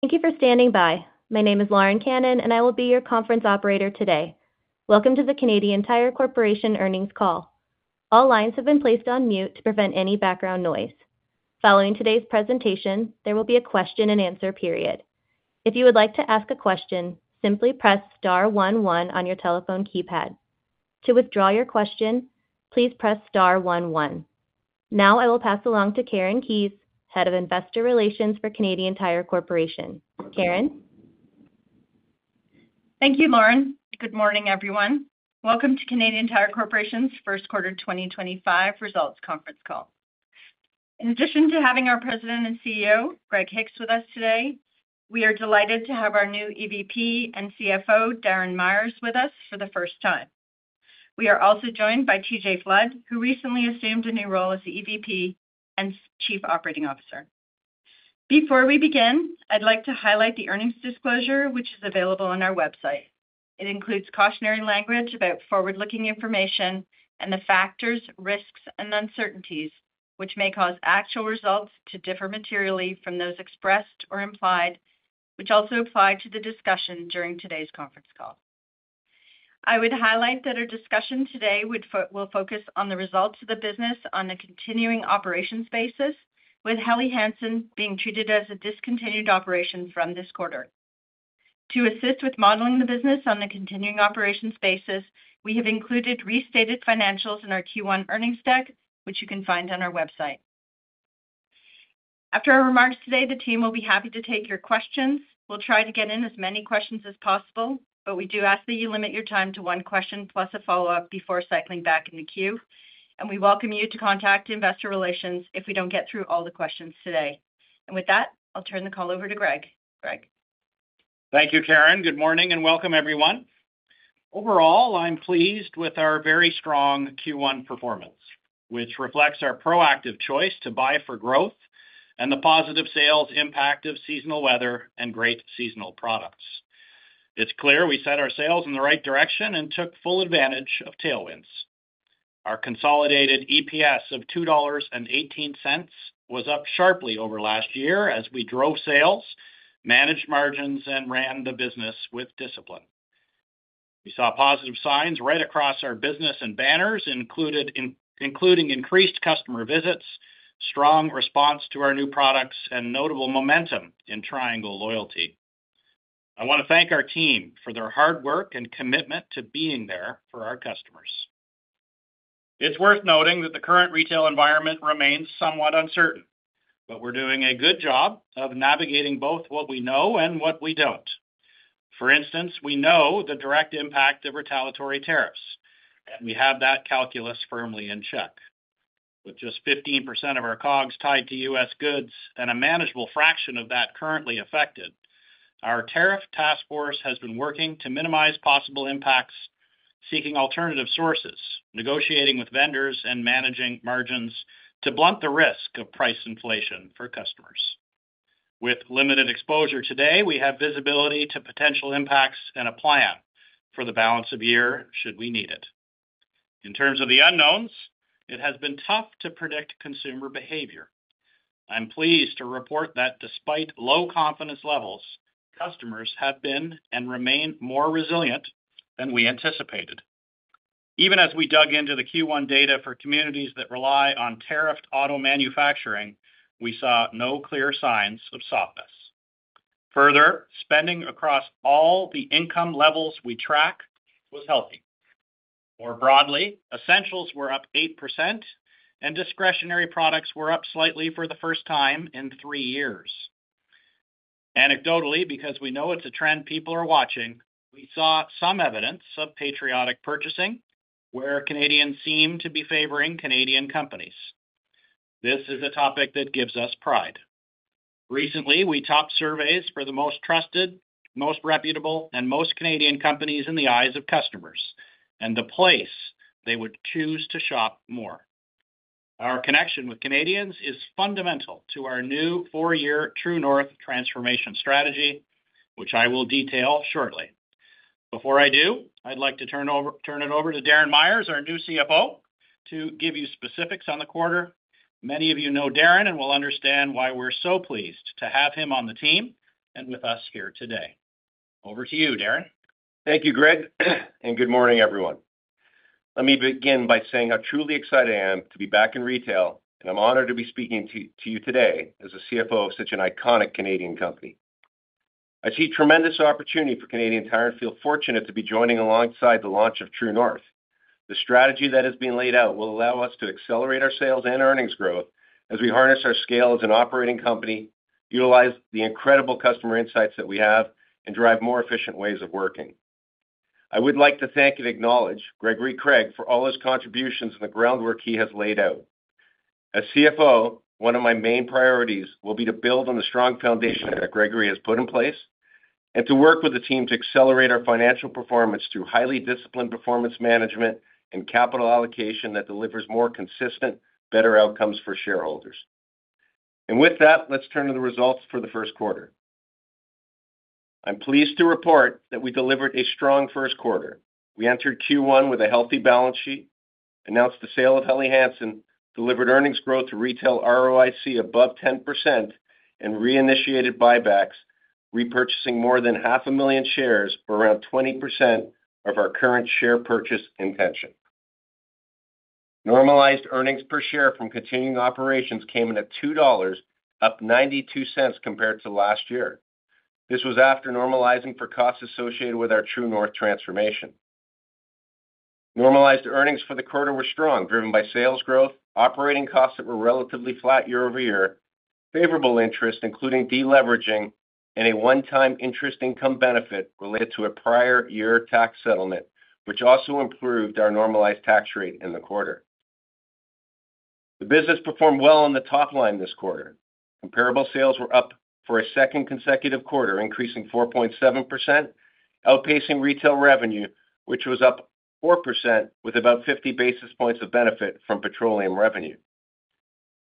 Thank you for standing by. My name is Lauren Cannon, and I will be your conference operator today. Welcome to the Canadian Tire Corporation earnings call. All lines have been placed on mute to prevent any background noise. Following today's presentation, there will be a question-and-answer period. If you would like to ask a question, simply press star one one on your telephone keypad. To withdraw your question, please press star one one. Now I will pass along to Karen Keyes, Head of Investor Relations for Canadian Tire Corporation. Karen. Thank you, Lauren. Good morning, everyone. Welcome to Canadian Tire Corporation's first quarter 2025 results conference call. In addition to having our President and CEO, Greg Hicks, with us today, we are delighted to have our new EVP and CFO, Darren Myers, with us for the first time. We are also joined by TJ Flood, who recently assumed a new role as the EVP and Chief Operating Officer. Before we begin, I'd like to highlight the earnings disclosure, which is available on our website. It includes cautionary language about forward-looking information and the factors, risks, and uncertainties which may cause actual results to differ materially from those expressed or implied, which also apply to the discussion during today's conference call. I would highlight that our discussion today will focus on the results of the business on a continuing operations basis, with Helly Hansen being treated as a discontinued operation from this quarter. To assist with modeling the business on a continuing operations basis, we have included restated financials in our Q1 earnings deck, which you can find on our website. After our remarks today, the team will be happy to take your questions. We'll try to get in as many questions as possible, but we do ask that you limit your time to one question plus a follow-up before cycling back in the queue. We welcome you to contact Investor Relations if we don't get through all the questions today. With that, I'll turn the call over to Greg. Greg. Thank you, Karen. Good morning and welcome, everyone. Overall, I'm pleased with our very strong Q1 performance, which reflects our proactive choice to buy for growth and the positive sales impact of seasonal weather and great seasonal products. It's clear we set our sales in the right direction and took full advantage of tailwinds. Our consolidated EPS of 2.18 dollars was up sharply over last year as we drove sales, managed margins, and ran the business with discipline. We saw positive signs right across our business and banners, including increased customer visits, strong response to our new products, and notable momentum in Triangle loyalty. I want to thank our team for their hard work and commitment to being there for our customers. It's worth noting that the current retail environment remains somewhat uncertain, but we're doing a good job of navigating both what we know and what we don't. For instance, we know the direct impact of retaliatory tariffs, and we have that calculus firmly in check. With just 15% of our COGS tied to U.S. goods and a manageable fraction of that currently affected, our tariff task force has been working to minimize possible impacts, seeking alternative sources, negotiating with vendors, and managing margins to blunt the risk of price inflation for customers. With limited exposure today, we have visibility to potential impacts and a plan for the balance of year should we need it. In terms of the unknowns, it has been tough to predict consumer behavior. I'm pleased to report that despite low confidence levels, customers have been and remain more resilient than we anticipated. Even as we dug into the Q1 data for communities that rely on tariffed auto manufacturing, we saw no clear signs of softness. Further, spending across all the income levels we track was healthy. More broadly, essentials were up 8%, and discretionary products were up slightly for the first time in three years. Anecdotally, because we know it's a trend people are watching, we saw some evidence of patriotic purchasing where Canadians seem to be favoring Canadian companies. This is a topic that gives us pride. Recently, we topped surveys for the most trusted, most reputable, and most Canadian companies in the eyes of customers and the place they would choose to shop more. Our connection with Canadians is fundamental to our new four-year True North transformation strategy, which I will detail shortly. Before I do, I'd like to turn it over to Darren Myers, our new CFO, to give you specifics on the quarter. Many of you know Darren and will understand why we're so pleased to have him on the team and with us here today. Over to you, Darren. Thank you, Greg, and good morning, everyone. Let me begin by saying how truly excited I am to be back in retail, and I'm honored to be speaking to you today as the CFO of such an iconic Canadian company. I see tremendous opportunity for Canadian Tire and feel fortunate to be joining alongside the launch of True North. The strategy that has been laid out will allow us to accelerate our sales and earnings growth as we harness our scale as an operating company, utilize the incredible customer insights that we have, and drive more efficient ways of working. I would like to thank and acknowledge Gregory Craig for all his contributions and the groundwork he has laid out. As CFO, one of my main priorities will be to build on the strong foundation that Gregory has put in place and to work with the team to accelerate our financial performance through highly disciplined performance management and capital allocation that delivers more consistent, better outcomes for shareholders. With that, let's turn to the results for the first quarter. I'm pleased to report that we delivered a strong first quarter. We entered Q1 with a healthy balance sheet, announced the sale of Helly Hansen, delivered earnings growth to retail ROIC above 10%, and reinitiated buybacks, repurchasing more than 500,000 shares for around 20% of our current share purchase intention. Normalized earnings per share from continuing operations came in at 2.00 dollars, up 0.92 compared to last year. This was after normalizing for costs associated with our True North transformation. Normalized earnings for the quarter were strong, driven by sales growth, operating costs that were relatively flat year over year, favorable interest, including deleveraging, and a one-time interest income benefit related to a prior year tax settlement, which also improved our normalized tax rate in the quarter. The business performed well on the top line this quarter. Comparable sales were up for a second consecutive quarter, increasing 4.7%, outpacing retail revenue, which was up 4% with about 50 basis points of benefit from petroleum revenue.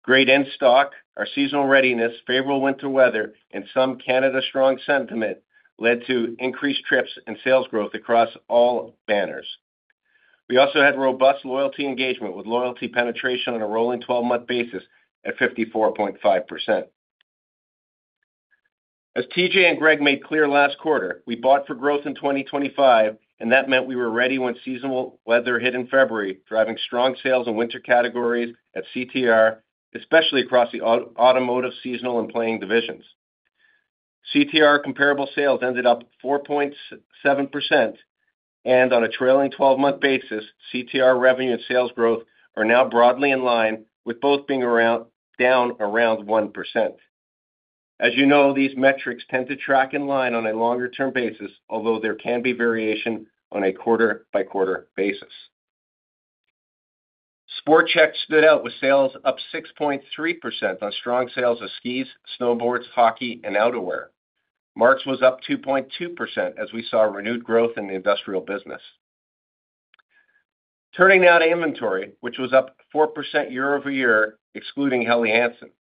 Grade in stock, our seasonal readiness, favorable winter weather, and some Canada strong sentiment led to increased trips and sales growth across all banners. We also had robust loyalty engagement with loyalty penetration on a rolling 12-month basis at 54.5%. As TJ and Greg made clear last quarter, we bought for growth in 2025, and that meant we were ready when seasonal weather hit in February, driving strong sales in winter categories at CTR, especially across the automotive, seasonal, and playing divisions. CTR comparable sales ended up 4.7%, and on a trailing 12-month basis, CTR revenue and sales growth are now broadly in line with both being down around 1%. As you know, these metrics tend to track in line on a longer-term basis, although there can be variation on a quarter-by-quarter basis. SportChek stood out with sales up 6.3% on strong sales of skis, snowboards, hockey, and outerwear. Mark's was up 2.2% as we saw renewed growth in the industrial business. Turning now to inventory, which was up 4% year over year, excluding Helly Hansen.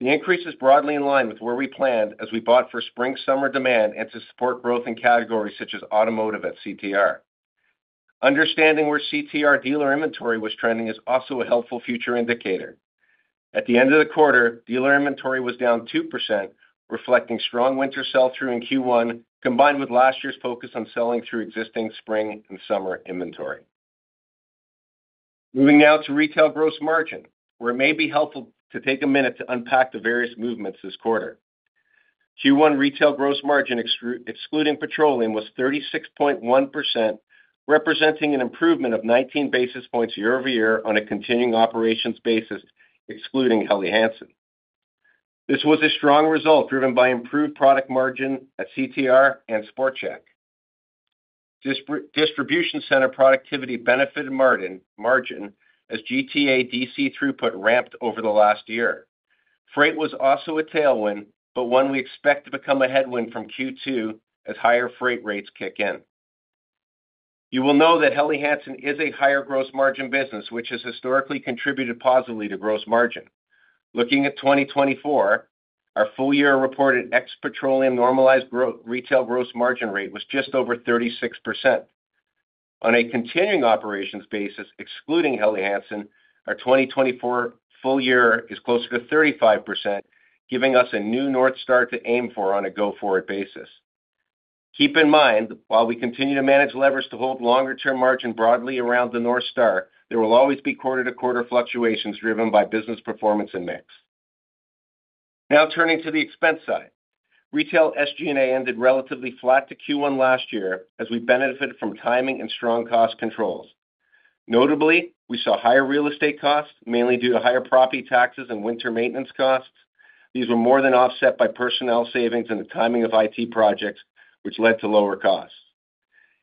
The increase is broadly in line with where we planned as we bought for spring-summer demand and to support growth in categories such as automotive at CTR. Understanding where CTR dealer inventory was trending is also a helpful future indicator. At the end of the quarter, dealer inventory was down 2%, reflecting strong winter sell-through in Q1, combined with last year's focus on selling through existing spring and summer inventory. Moving now to retail gross margin, where it may be helpful to take a minute to unpack the various movements this quarter. Q1 retail gross margin, excluding Petroleum, was 36.1%, representing an improvement of 19 basis points year over year on a continuing operations basis, excluding Helly Hansen. This was a strong result driven by improved product margin at CTR and SportChek. Distribution center productivity benefited margin as GTA DC throughput ramped over the last year. Freight was also a tailwind, but one we expect to become a headwind from Q2 as higher freight rates kick in. You will know that Helly Hansen is a higher gross margin business, which has historically contributed positively to gross margin. Looking at 2024, our full-year reported ex-Petroleum normalized retail gross margin rate was just over 36%. On a continuing operations basis, excluding Helly Hansen, our 2024 full-year is closer to 35%, giving us a new north star to aim for on a go-forward basis. Keep in mind, while we continue to manage levers to hold longer-term margin broadly around the north star, there will always be quarter-to-quarter fluctuations driven by business performance and mix. Now turning to the expense side, retail SG&A ended relatively flat to Q1 last year as we benefited from timing and strong cost controls. Notably, we saw higher real estate costs, mainly due to higher property taxes and winter maintenance costs. These were more than offset by personnel savings and the timing of IT projects, which led to lower costs.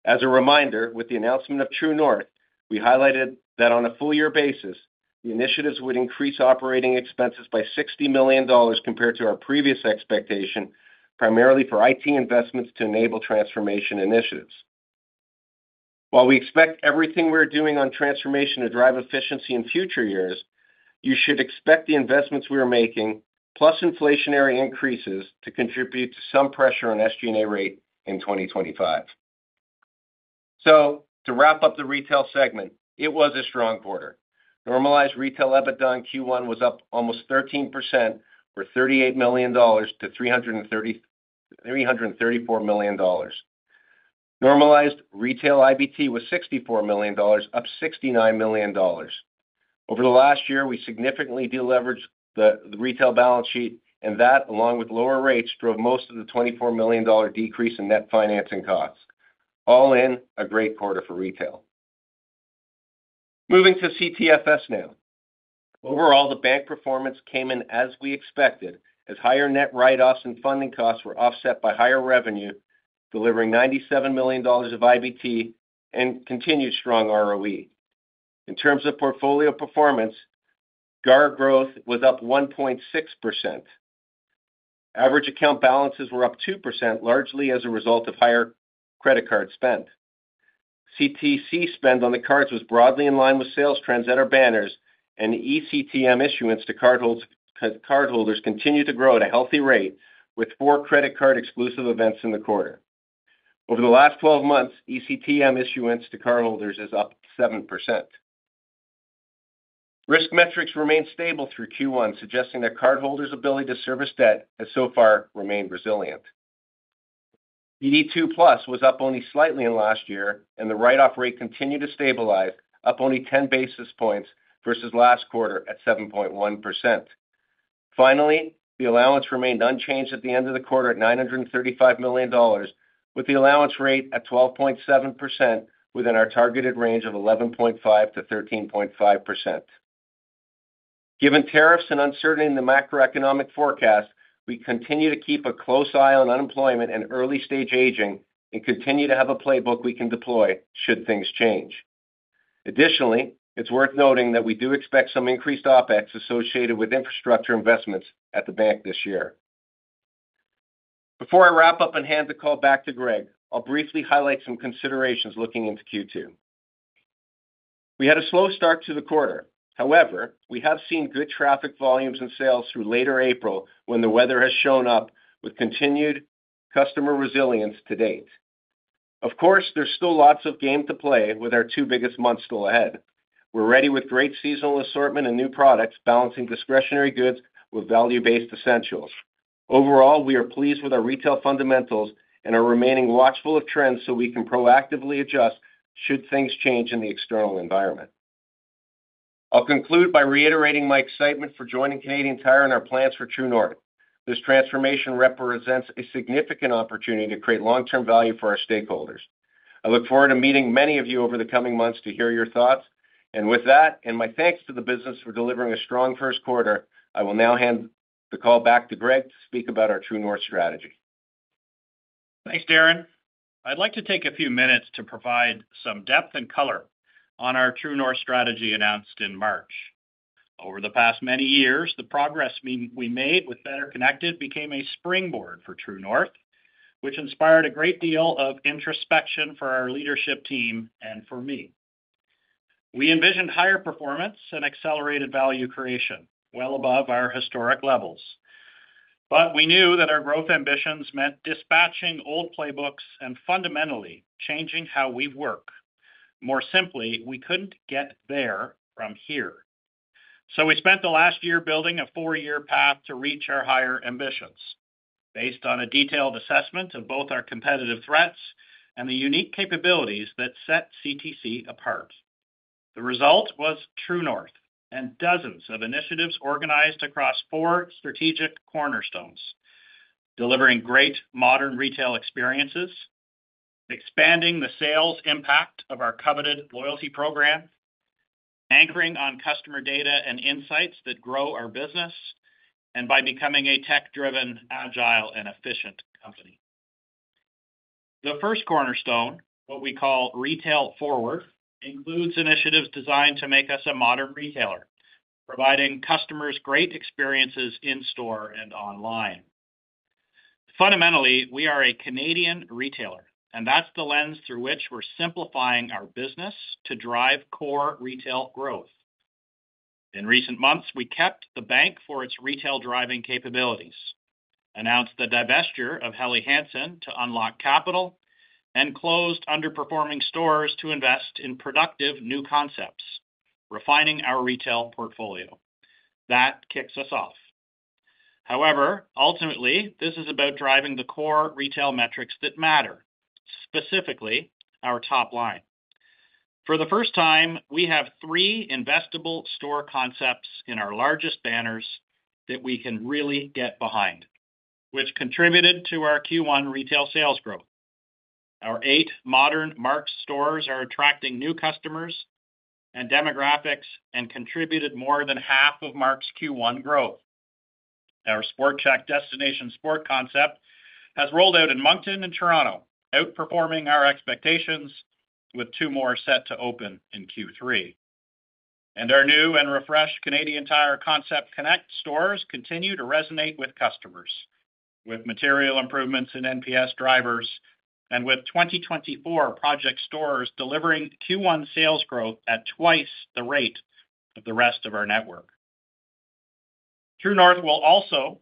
As a reminder, with the announcement of True North, we highlighted that on a full-year basis, the initiatives would increase operating expenses by 60 million dollars compared to our previous expectation, primarily for IT investments to enable transformation initiatives. While we expect everything we're doing on transformation to drive efficiency in future years, you should expect the investments we are making, plus inflationary increases, to contribute to some pressure on SG&A rate in 2025. To wrap up the retail segment, it was a strong quarter. Normalized retail EBITDA in Q1 was up almost 13%, from 38 million dollars to 334 million dollars. Normalized retail IBT was 64 million dollars, up 69 million dollars. Over the last year, we significantly deleveraged the retail balance sheet, and that, along with lower rates, drove most of the 24 million dollar decrease in net financing costs. All in, a great quarter for retail. Moving to CTFS now. Overall, the bank performance came in as we expected as higher net write-offs and funding costs were offset by higher revenue, delivering 97 million dollars of IBT and continued strong ROE. In terms of portfolio performance, GAR growth was up 1.6%. Average account balances were up 2%, largely as a result of higher credit card spend. CTC spend on the cards was broadly in line with sales trends at our banners, and eCTM issuance to cardholders continued to grow at a healthy rate, with four credit card exclusive events in the quarter. Over the last 12 months, eCTM issuance to cardholders is up 7%. Risk metrics remained stable through Q1, suggesting that cardholders' ability to service debt has so far remained resilient. ED2 Plus was up only slightly in last year, and the write-off rate continued to stabilize, up only 10 basis points versus last quarter at 7.1%. Finally, the allowance remained unchanged at the end of the quarter at 935 million dollars, with the allowance rate at 12.7% within our targeted range of 11.5%-13.5%. Given tariffs and uncertainty in the macroeconomic forecast, we continue to keep a close eye on unemployment and early-stage aging and continue to have a playbook we can deploy should things change. Additionally, it's worth noting that we do expect some increased OPEX associated with infrastructure investments at the bank this year. Before I wrap up and hand the call back to Greg, I'll briefly highlight some considerations looking into Q2. We had a slow start to the quarter. However, we have seen good traffic volumes and sales through later April when the weather has shown up, with continued customer resilience to date. Of course, there is still lots of game to play with our two biggest months still ahead. We are ready with great seasonal assortment and new products, balancing discretionary goods with value-based essentials. Overall, we are pleased with our retail fundamentals and are remaining watchful of trends so we can proactively adjust should things change in the external environment. I will conclude by reiterating my excitement for joining Canadian Tire and our plans for True North. This transformation represents a significant opportunity to create long-term value for our stakeholders. I look forward to meeting many of you over the coming months to hear your thoughts. With that, and my thanks to the business for delivering a strong first quarter, I will now hand the call back to Greg to speak about our True North strategy. Thanks, Darren. I'd like to take a few minutes to provide some depth and color on our True North strategy announced in March. Over the past many years, the progress we made with Better Connected became a springboard for True North, which inspired a great deal of introspection for our leadership team and for me. We envisioned higher performance and accelerated value creation well above our historic levels. We knew that our growth ambitions meant dispatching old playbooks and fundamentally changing how we work. More simply, we couldn't get there from here. We spent the last year building a four-year path to reach our higher ambitions, based on a detailed assessment of both our competitive threats and the unique capabilities that set CTC apart. The result was True North and dozens of initiatives organized across four strategic cornerstones, delivering great modern retail experiences, expanding the sales impact of our coveted loyalty program, anchoring on customer data and insights that grow our business, and by becoming a tech-driven, agile, and efficient company. The first cornerstone, what we call Retail Forward, includes initiatives designed to make us a modern retailer, providing customers great experiences in store and online. Fundamentally, we are a Canadian retailer, and that's the lens through which we're simplifying our business to drive core retail growth. In recent months, we kept the bank for its retail-driving capabilities, announced the divestiture of Helly Hansen to unlock capital, and closed underperforming stores to invest in productive new concepts, refining our retail portfolio. That kicks us off. However, ultimately, this is about driving the core retail metrics that matter, specifically our top line. For the first time, we have three investable store concepts in our largest banners that we can really get behind, which contributed to our Q1 retail sales growth. Our eight modern Mark's stores are attracting new customers and demographics and contributed more than half of Mark's Q1 growth. Our SportChek destination sport concept has rolled out in Moncton and Toronto, outperforming our expectations, with two more set to open in Q3. Our new and refreshed Canadian Tire Concept Connect stores continue to resonate with customers, with material improvements in NPS drivers, and with 2024 project stores delivering Q1 sales growth at twice the rate of the rest of our network. True North will also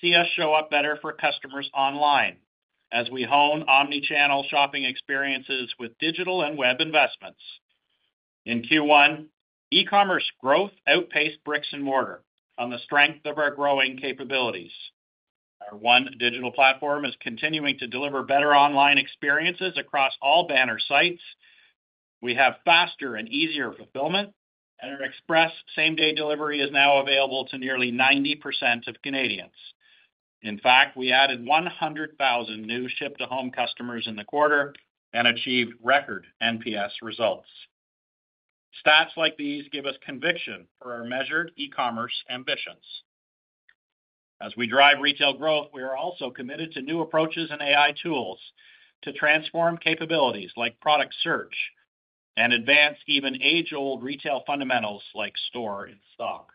see us show up better for customers online as we hone omnichannel shopping experiences with digital and web investments. In Q1, e-commerce growth outpaced bricks and mortar on the strength of our growing capabilities. Our one digital platform is continuing to deliver better online experiences across all banner sites. We have faster and easier fulfillment, and our express same-day delivery is now available to nearly 90% of Canadians. In fact, we added 100,000 new ship-to-home customers in the quarter and achieved record NPS results. Stats like these give us conviction for our measured e-commerce ambitions. As we drive retail growth, we are also committed to new approaches and AI tools to transform capabilities like product search and advance even age-old retail fundamentals like store and stock.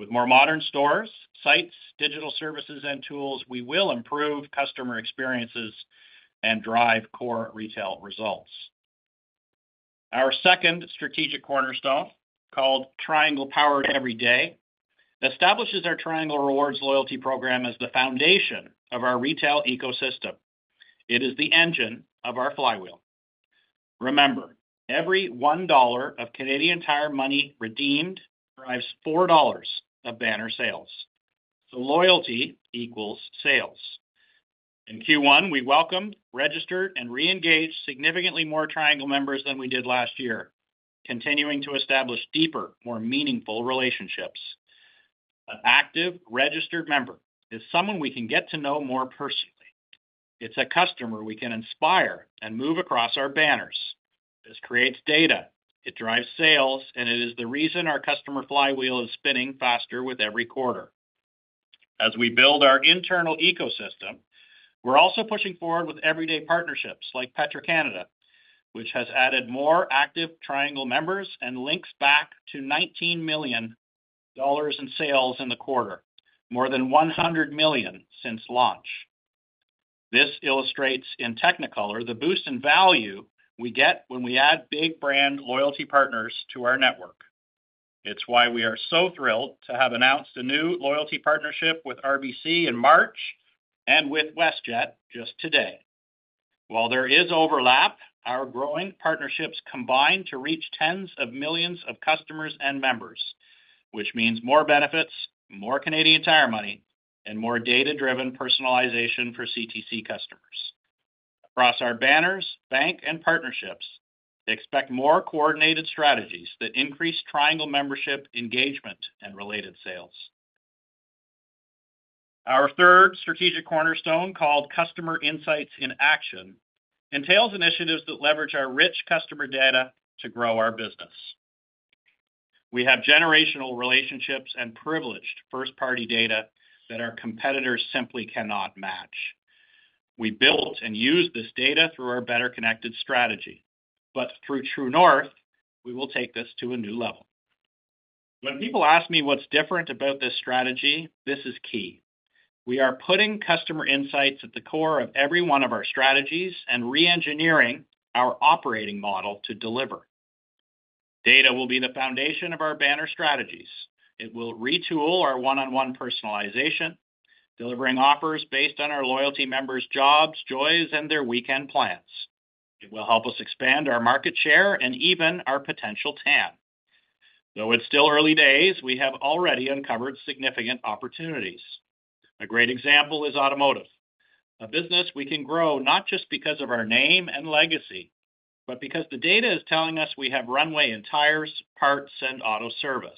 With more modern stores, sites, digital services, and tools, we will improve customer experiences and drive core retail results. Our second strategic cornerstone, called Triangle Powered Every Day, establishes our Triangle Rewards loyalty program as the foundation of our retail ecosystem. It is the engine of our flywheel. Remember, every 1 dollar of Canadian Tire money redeemed drives 4 dollars of banner sales. Loyalty equals sales. In Q1, we welcomed, registered, and re-engaged significantly more Triangle members than we did last year, continuing to establish deeper, more meaningful relationships. An active registered member is someone we can get to know more personally. It is a customer we can inspire and move across our banners. This creates data. It drives sales, and it is the reason our customer flywheel is spinning faster with every quarter. As we build our internal ecosystem, we are also pushing forward with everyday partnerships like Petro-Canada, which has added more active Triangle members and links back to 19 million dollars in sales in the quarter, more than 100 million since launch. This illustrates in technicolor the boost in value we get when we add big brand loyalty partners to our network. It's why we are so thrilled to have announced a new loyalty partnership with RBC in March and with WestJet just today. While there is overlap, our growing partnerships combine to reach tens of millions of customers and members, which means more benefits, more Canadian Tire money, and more data-driven personalization for CTC customers. Across our banners, bank, and partnerships, expect more coordinated strategies that increase Triangle membership engagement and related sales. Our third strategic cornerstone, called Customer Insights in Action, entails initiatives that leverage our rich customer data to grow our business. We have generational relationships and privileged first-party data that our competitors simply cannot match. We built and used this data through our Better Connected strategy. Through True North, we will take this to a new level. When people ask me what's different about this strategy, this is key. We are putting customer insights at the core of every one of our strategies and re-engineering our operating model to deliver. Data will be the foundation of our banner strategies. It will retool our one-on-one personalization, delivering offers based on our loyalty members' jobs, joys, and their weekend plans. It will help us expand our market share and even our potential TAM. Though it is still early days, we have already uncovered significant opportunities. A great example is automotive, a business we can grow not just because of our name and legacy, but because the data is telling us we have runway in tires, parts, and auto service.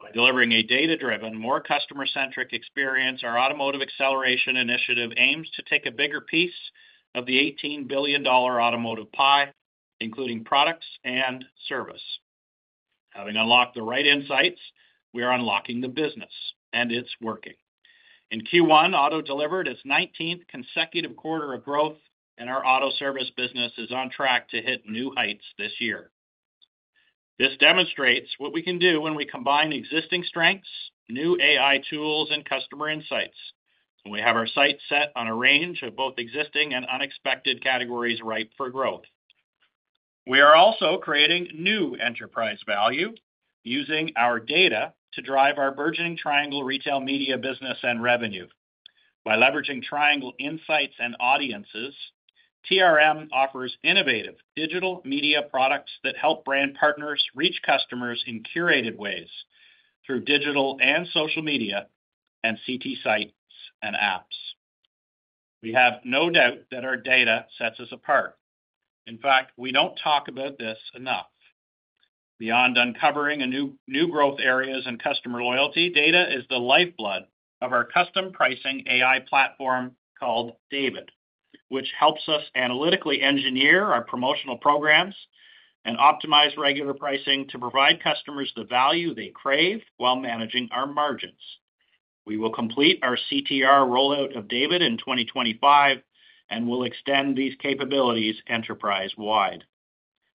By delivering a data-driven, more customer-centric experience, our automotive acceleration initiative aims to take a bigger piece of the 18 billion dollar automotive pie, including products and service. Having unlocked the right insights, we are unlocking the business, and it is working. In Q1, auto delivered its 19th consecutive quarter of growth, and our auto service business is on track to hit new heights this year. This demonstrates what we can do when we combine existing strengths, new AI tools, and customer insights. We have our sights set on a range of both existing and unexpected categories ripe for growth. We are also creating new enterprise value using our data to drive our burgeoning Triangle retail media business and revenue. By leveraging Triangle insights and audiences, TRM offers innovative digital media products that help brand partners reach customers in curated ways through digital and social media and CT sites and apps. We have no doubt that our data sets us apart. In fact, we do not talk about this enough. Beyond uncovering new growth areas and customer loyalty, data is the lifeblood of our custom pricing AI platform called David, which helps us analytically engineer our promotional programs and optimize regular pricing to provide customers the value they crave while managing our margins. We will complete our CTR rollout of David in 2025 and will extend these capabilities enterprise-wide.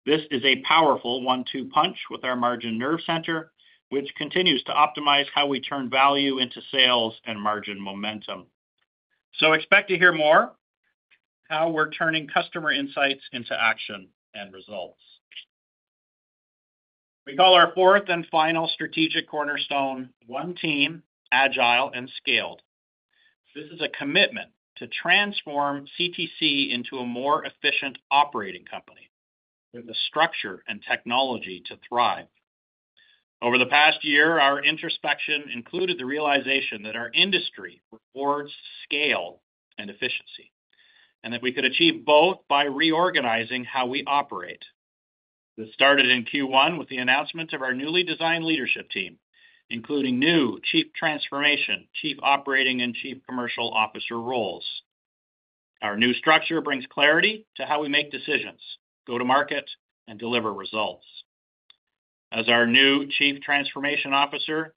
This is a powerful one-two punch with our margin nerve center, which continues to optimize how we turn value into sales and margin momentum. Expect to hear more how we're turning customer insights into action and results. We call our fourth and final strategic cornerstone One Team, Agile, and Scaled. This is a commitment to transform CTC into a more efficient operating company with the structure and technology to thrive. Over the past year, our introspection included the realization that our industry rewards scale and efficiency and that we could achieve both by reorganizing how we operate. This started in Q1 with the announcement of our newly designed leadership team, including new Chief Transformation, Chief Operating, and Chief Commercial Officer roles. Our new structure brings clarity to how we make decisions, go to market, and deliver results. As our new Chief Transformation Officer,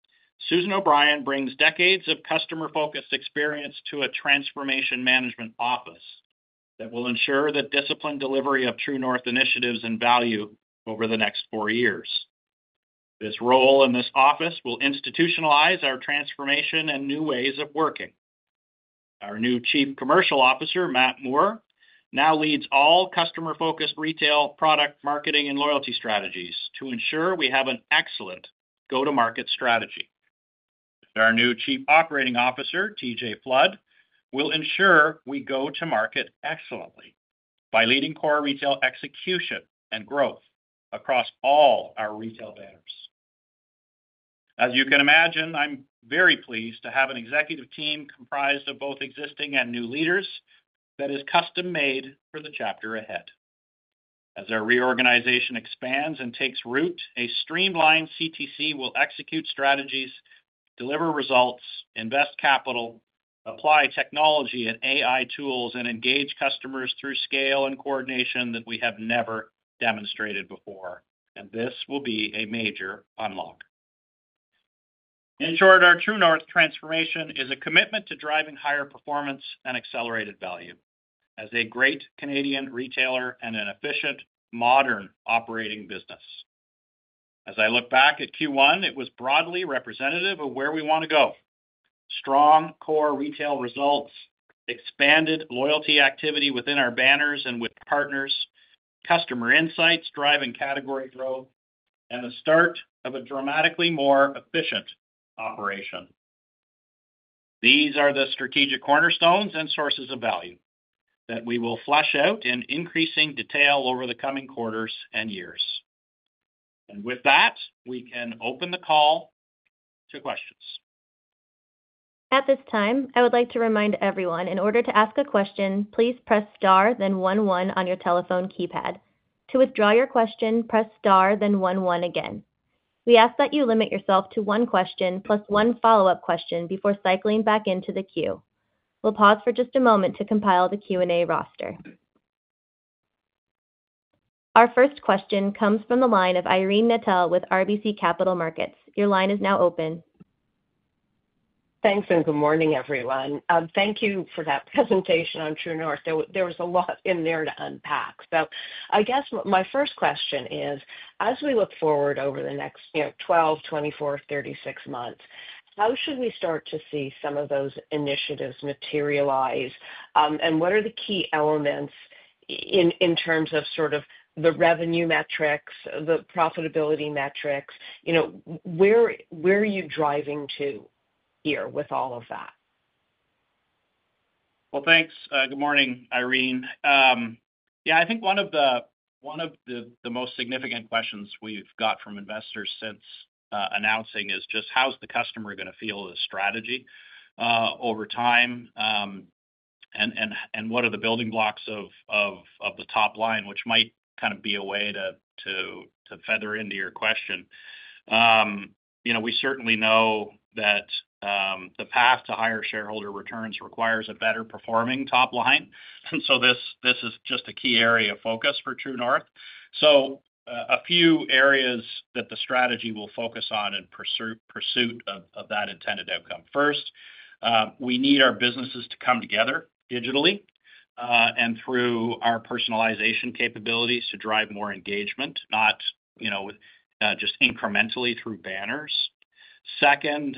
Susan O'Brien brings decades of customer-focused experience to a transformation management office that will ensure the disciplined delivery of True North initiatives and value over the next four years. This role in this office will institutionalize our transformation and new ways of working. Our new Chief Commercial Officer, Matt Moore, now leads all customer-focused retail product marketing and loyalty strategies to ensure we have an excellent go-to-market strategy. Our new Chief Operating Officer, TJ Flood, will ensure we go to market excellently by leading core retail execution and growth across all our retail banners. As you can imagine, I'm very pleased to have an executive team comprised of both existing and new leaders that is custom-made for the chapter ahead. As our reorganization expands and takes root, a streamlined CTC will execute strategies, deliver results, invest capital, apply technology and AI tools, and engage customers through scale and coordination that we have never demonstrated before. This will be a major unlock. In short, our True North transformation is a commitment to driving higher performance and accelerated value as a great Canadian retailer and an efficient, modern operating business. As I look back at Q1, it was broadly representative of where we want to go: strong core retail results, expanded loyalty activity within our banners and with partners, customer insights driving category growth, and the start of a dramatically more efficient operation. These are the strategic cornerstones and sources of value that we will flesh out in increasing detail over the coming quarters and years. With that, we can open the call to questions. At this time, I would like to remind everyone, in order to ask a question, please press star, then one one on your telephone keypad. To withdraw your question, press star, then one one again. We ask that you limit yourself to one question plus one follow-up question before cycling back into the queue. We'll pause for just a moment to compile the Q&A roster. Our first question comes from the line of Irene Nattel with RBC Capital Markets. Your line is now open. Thanks and good morning, everyone. Thank you for that presentation on True North. There was a lot in there to unpack. I guess my first question is, as we look forward over the next 12, 24, 36 months, how should we start to see some of those initiatives materialize? What are the key elements in terms of sort of the revenue metrics, the profitability metrics? Where are you driving to here with all of that? Thanks. Good morning, Irene. Yeah, I think one of the most significant questions we've got from investors since announcing is just, how's the customer going to feel the strategy over time? What are the building blocks of the top line, which might kind of be a way to feather into your question? We certainly know that the path to higher shareholder returns requires a better performing top line. This is just a key area of focus for True North. A few areas that the strategy will focus on in pursuit of that intended outcome. First, we need our businesses to come together digitally and through our personalization capabilities to drive more engagement, not just incrementally through banners. Second,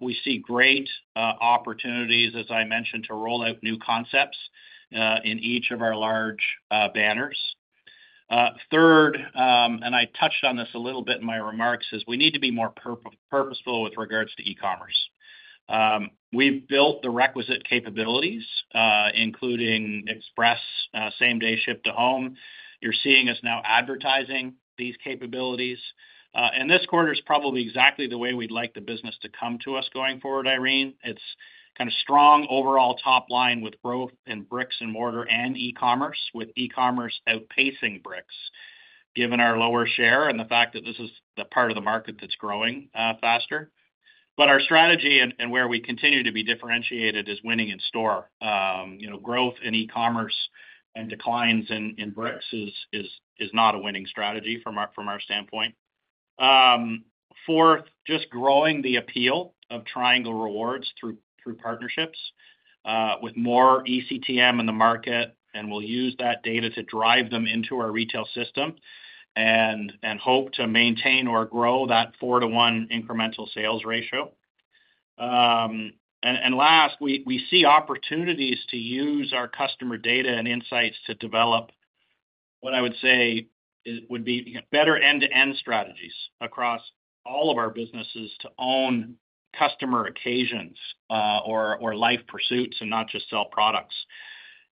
we see great opportunities, as I mentioned, to roll out new concepts in each of our large banners. Third, and I touched on this a little bit in my remarks, is we need to be more purposeful with regards to e-commerce. We have built the requisite capabilities, including express same-day ship-to-home. You are seeing us now advertising these capabilities. This quarter is probably exactly the way we would like the business to come to us going forward, Irene. It's kind of strong overall top line with growth in bricks and mortar and e-commerce, with e-commerce outpacing bricks, given our lower share and the fact that this is the part of the market that's growing faster. Our strategy and where we continue to be differentiated is winning in store. Growth in e-commerce and declines in bricks is not a winning strategy from our standpoint. Fourth, just growing the appeal of Triangle Rewards through partnerships with more eCTM in the market, and we'll use that data to drive them into our retail system and hope to maintain or grow that four-to-one incremental sales ratio. Last, we see opportunities to use our customer data and insights to develop what I would say would be better end-to-end strategies across all of our businesses to own customer occasions or life pursuits and not just sell products.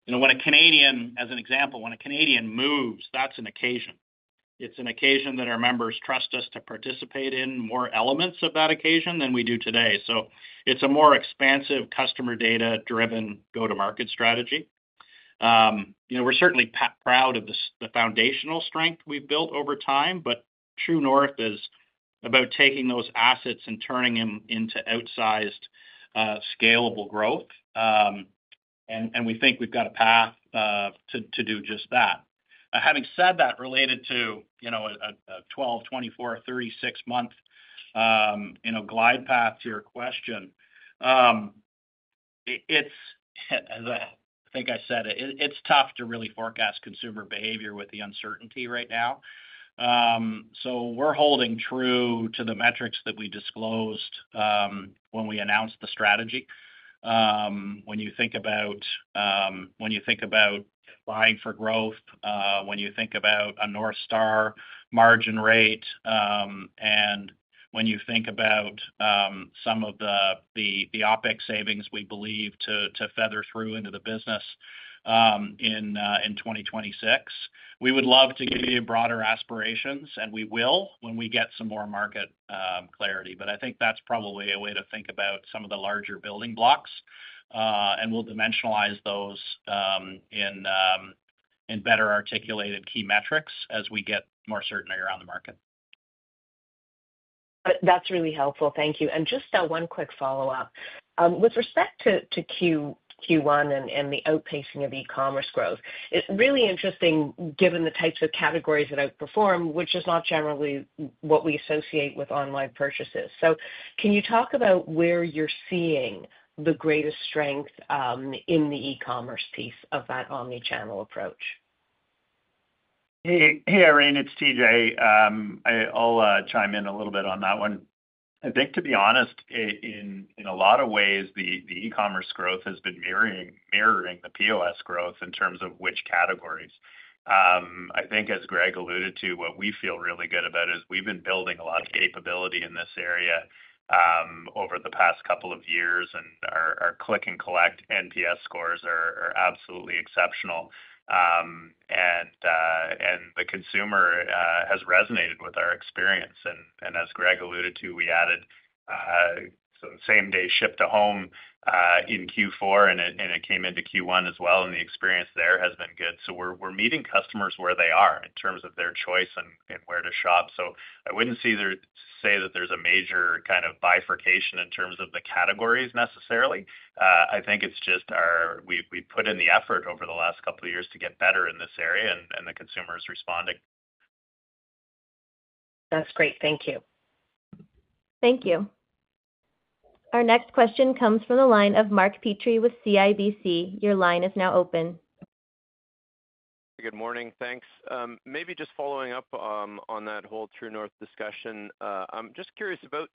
When a Canadian, as an example, when a Canadian moves, that's an occasion. It's an occasion that our members trust us to participate in more elements of that occasion than we do today. It is a more expansive customer data-driven go-to-market strategy. We're certainly proud of the foundational strength we've built over time, but True North is about taking those assets and turning them into outsized scalable growth. We think we've got a path to do just that. Having said that, related to a 12-, 24-, 36-month glide path to your question, I think I said it's tough to really forecast consumer behavior with the uncertainty right now. We're holding true to the metrics that we disclosed when we announced the strategy. When you think about buying for growth, when you think about a north star, margin rate, and when you think about some of the OPEX savings we believe to feather through into the business in 2026, we would love to give you broader aspirations, and we will when we get some more market clarity. I think that's probably a way to think about some of the larger building blocks, and we'll dimensionalize those in better articulated key metrics as we get more certainty around the market. That's really helpful. Thank you. Just one quick follow-up. With respect to Q1 and the outpacing of e-commerce growth, it's really interesting given the types of categories that outperform, which is not generally what we associate with online purchases. Can you talk about where you're seeing the greatest strength in the e-commerce piece of that omnichannel approach? Hey, Irene, it's TJ. I'll chime in a little bit on that one. I think, to be honest, in a lot of ways, the e-commerce growth has been mirroring the POS growth in terms of which categories. I think, as Greg alluded to, what we feel really good about is we've been building a lot of capability in this area over the past couple of years, and our click and collect NPS scores are absolutely exceptional. The consumer has resonated with our experience. As Greg alluded to, we added same-day ship-to-home in Q4, and it came into Q1 as well, and the experience there has been good. We are meeting customers where they are in terms of their choice and where to shop. I wouldn't say that there's a major kind of bifurcation in terms of the categories necessarily. I think it's just we've put in the effort over the last couple of years to get better in this area, and the consumer is responding. That's great. Thank you. Thank you. Our next question comes from the line of Mark Petrie with CIBC. Your line is now open. Good morning. Thanks. Maybe just following up on that whole True North discussion, I'm just curious about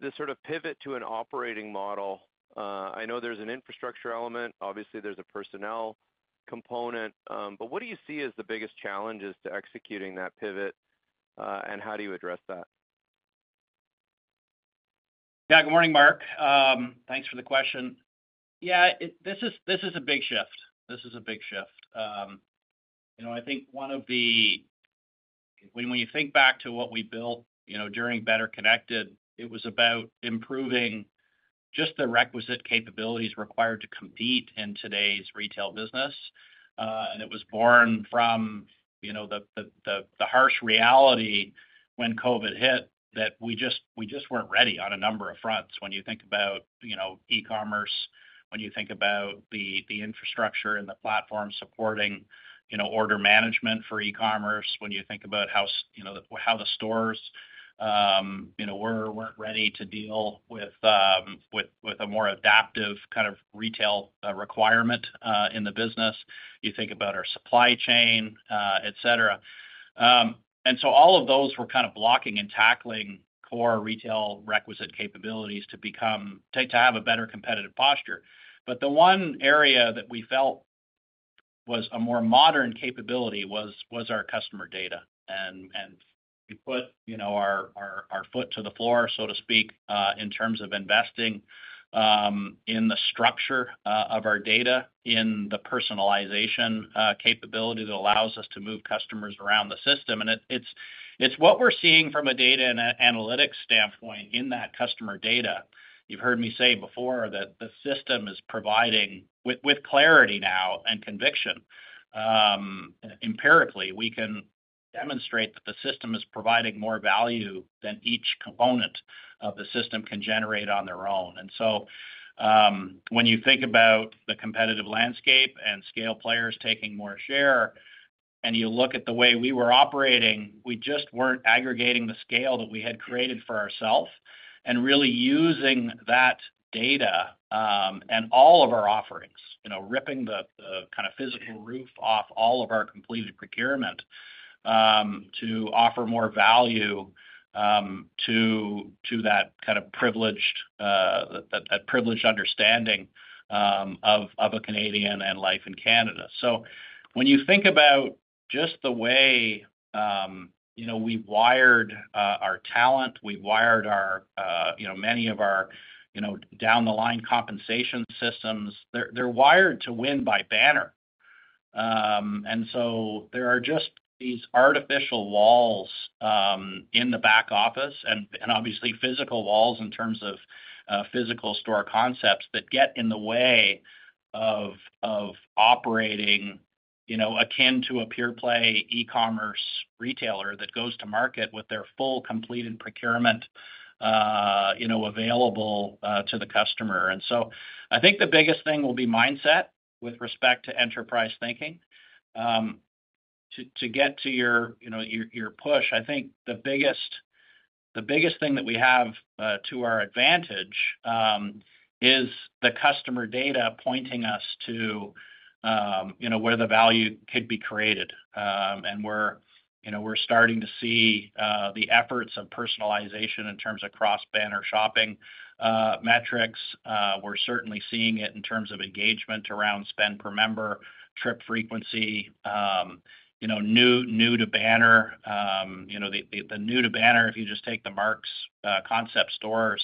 this sort of pivot to an operating model. I know there's an infrastructure element. Obviously, there's a personnel component. What do you see as the biggest challenges to executing that pivot, and how do you address that? Yeah. Good morning, Mark. Thanks for the question. Yeah, this is a big shift. This is a big shift. I think one of the, when you think back to what we built during Better Connected, it was about improving just the requisite capabilities required to compete in today's retail business. It was born from the harsh reality when COVID hit that we just were not ready on a number of fronts. When you think about e-commerce, when you think about the infrastructure and the platform supporting order management for e-commerce, when you think about how the stores were not ready to deal with a more adaptive kind of retail requirement in the business, you think about our supply chain, etc. All of those were kind of blocking and tackling core retail requisite capabilities to have a better competitive posture. The one area that we felt was a more modern capability was our customer data. We put our foot to the floor, so to speak, in terms of investing in the structure of our data, in the personalization capability that allows us to move customers around the system. It is what we are seeing from a data and analytics standpoint in that customer data. You have heard me say before that the system is providing with clarity now and conviction. Empirically, we can demonstrate that the system is providing more value than each component of the system can generate on their own. When you think about the competitive landscape and scale players taking more share, and you look at the way we were operating, we just were not aggregating the scale that we had created for ourself and really using that data and all of our offerings, ripping the kind of physical roof off all of our completed procurement to offer more value to that kind of privileged understanding of a Canadian and life in Canada. When you think about just the way we wired our talent, we wired many of our down-the-line compensation systems, they are wired to win by banner. There are just these artificial walls in the back office and obviously physical walls in terms of physical store concepts that get in the way of operating akin to a pure-play e-commerce retailer that goes to market with their full completed procurement available to the customer. I think the biggest thing will be mindset with respect to enterprise thinking. To get to your push, I think the biggest thing that we have to our advantage is the customer data pointing us to where the value could be created. We are starting to see the efforts of personalization in terms of cross-banner shopping metrics. We are certainly seeing it in terms of engagement around spend per member, trip frequency, new to banner. The new to banner, if you just take the Mark's concept stores,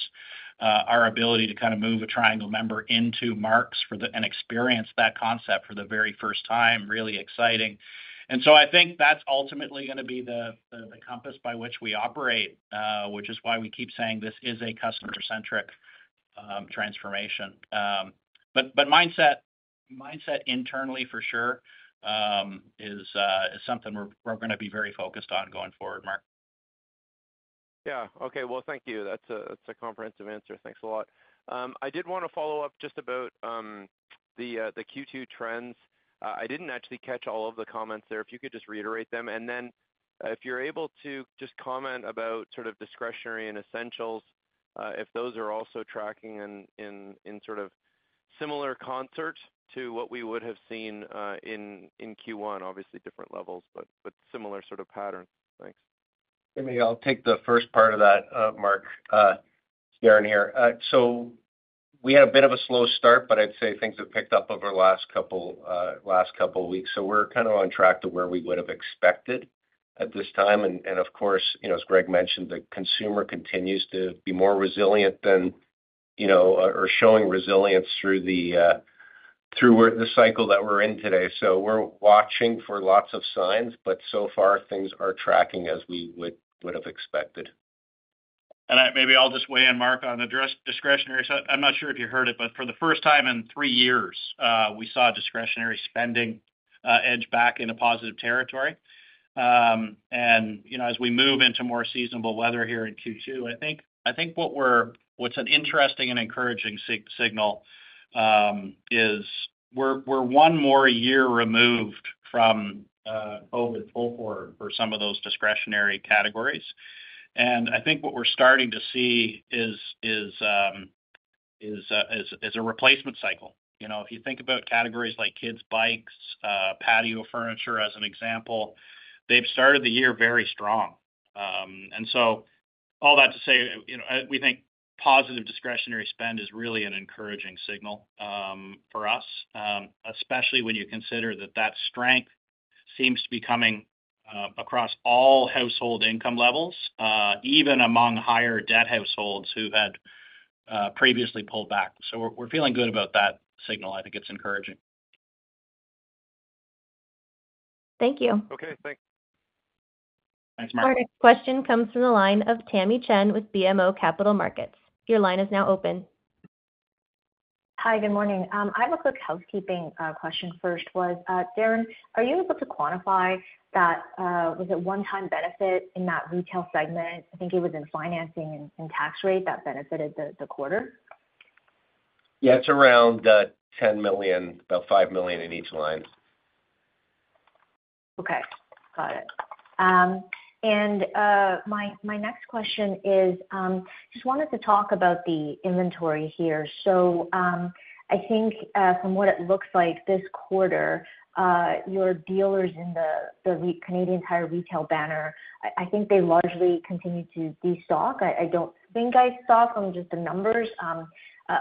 our ability to kind of move a Triangle member into Mark's and experience that concept for the very first time, really exciting. I think that is ultimately going to be the compass by which we operate, which is why we keep saying this is a customer-centric transformation. Mindset internally, for sure, is something we're going to be very focused on going forward, Mark. Yeah. Okay. Thank you. That's a comprehensive answer. Thanks a lot. I did want to follow up just about the Q2 trends. I didn't actually catch all of the comments there. If you could just reiterate them. If you're able to just comment about sort of discretionary and essentials, if those are also tracking in sort of similar concert to what we would have seen in Q1, obviously different levels, but similar sort of patterns. Thanks. I'll take the first part of that, Mark, here. We had a bit of a slow start, but I'd say things have picked up over the last couple of weeks. We're kind of on track to where we would have expected at this time. Of course, as Greg mentioned, the consumer continues to be more resilient than or showing resilience through the cycle that we're in today. We're watching for lots of signs, but so far, things are tracking as we would have expected. Maybe I'll just weigh in, Mark, on discretionary. I'm not sure if you heard it, but for the first time in three years, we saw discretionary spending edge back in a positive territory. As we move into more seasonable weather here in Q2, I think what's an interesting and encouraging signal is we're one more year removed from COVID pull for some of those discretionary categories. I think what we're starting to see is a replacement cycle. If you think about categories like kids, bikes, patio furniture as an example, they've started the year very strong. All that to say, we think positive discretionary spend is really an encouraging signal for us, especially when you consider that that strength seems to be coming across all household income levels, even among higher debt households who had previously pulled back. We're feeling good about that signal. I think it's encouraging. Thank you. Okay. Thanks. Thanks, Mark. Our next question comes from the line of Tamy Chen with BMO Capital Markets. Your line is now open. Hi. Good morning. I have a quick housekeeping question first. Darren, are you able to quantify that one-time benefit in that retail segment? I think it was in financing and tax rate that benefited the quarter. Yeah. It's around 10 million, about 5 million in each line. Okay. Got it. My next question is just wanted to talk about the inventory here. I think from what it looks like this quarter, your dealers in the Canadian Tire Retail banner, I think they largely continue to destock. I do not think I saw from just the numbers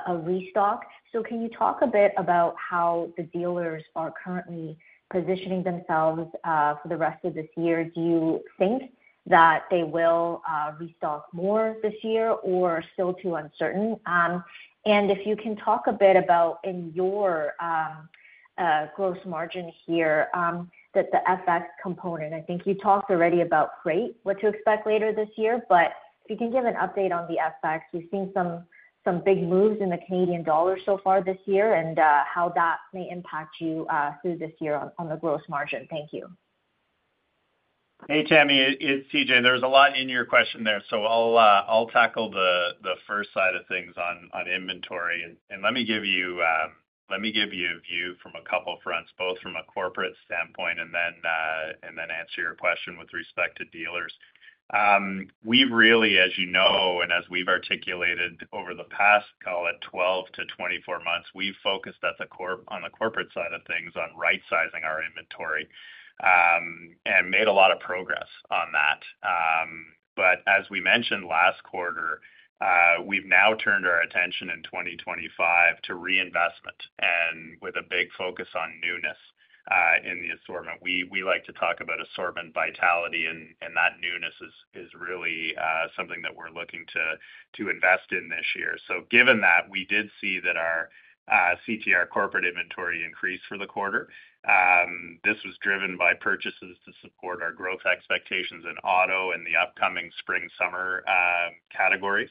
a restock. Can you talk a bit about how the dealers are currently positioning themselves for the rest of this year? Do you think that they will restock more this year or is it still too uncertain? If you can talk a bit about in your gross margin here, the FX component, I think you talked already about freight, what to expect later this year. If you can give an update on the FX, you have seen some big moves in the Canadian dollar so far this year and how that may impact you through this year on the gross margin. Thank you. Hey, Tammy, it is TJ. There is a lot in your question there. I'll tackle the first side of things on inventory. Let me give you a view from a couple of fronts, both from a corporate standpoint, and then answer your question with respect to dealers. We've really, as you know, and as we've articulated over the past, call it 12 to 24 months, focused on the corporate side of things on right-sizing our inventory and made a lot of progress on that. As we mentioned last quarter, we've now turned our attention in 2025 to reinvestment and with a big focus on newness in the assortment. We like to talk about assortment vitality, and that newness is really something that we're looking to invest in this year. Given that, we did see that our CTR corporate inventory increased for the quarter. This was driven by purchases to support our growth expectations in auto and the upcoming spring-summer categories.